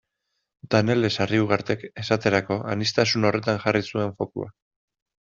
Danele Sarriugartek esaterako aniztasun horretan jarri zuen fokua.